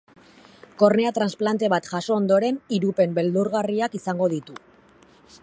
Kornea transplante bat jaso ondoren irupen beldulgarriak izando ditu.